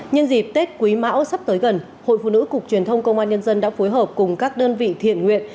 nhân dịp tết quý mão sắp tới gần hội phụ nữ cục truyền thông công an nhân dân đã phối hợp cùng các đơn vị thiện nguyện